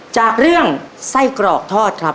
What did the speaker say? จากเรื่องไส้กรอกทอดครับ